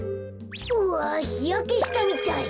うわひやけしたみたい。